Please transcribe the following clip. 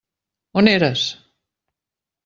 On eres?